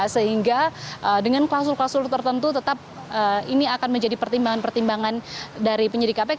sehingga dengan klausul klausul tertentu tetap ini akan menjadi pertimbangan pertimbangan dari penyidik kpk